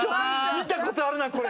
見たことあるなこれ。